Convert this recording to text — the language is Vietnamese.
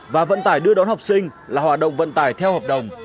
và vận tải đưa đón học sinh là hoạt động vận tải theo hợp đồng